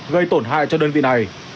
gây tổn hại cho đơn vị này